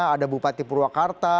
ada bupati purwakarta